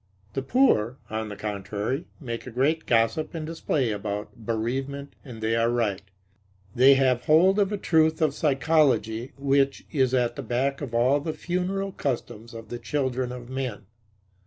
The poor, on the contrary, make a great gossip and display about bereavement; and they are right. They have hold of a truth of psychology which is at the back of all the funeral customs of the children of men.